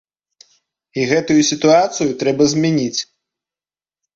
І гэтую сітуацыю трэба змяняць.